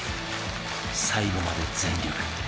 最後まで全力。